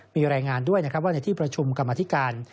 มีแรงงานด้วยว่าในที่ประชุมกรรมธิการ